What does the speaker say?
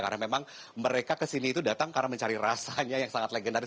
karena memang mereka ke sini itu datang karena mencari rasanya yang sangat legendaris